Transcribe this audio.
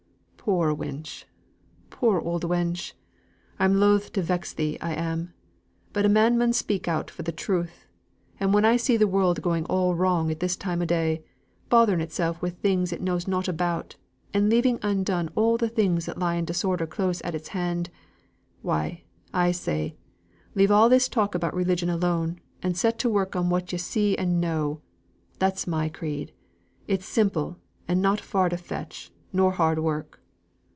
"Poor wench poor old wench I'm loth to vex thee, I am; but a man mun speak out for the truth, and when I see the world going all wrong at this time o' day, bothering itself wi' things it knows nought about, and leaving undone all the things that lie in disorder close at its hand why, I say, leave a' this talk about religion alone, and set to work on what yo' see and know. That's my creed. It's simple, and not far to fetch, nor hard to work."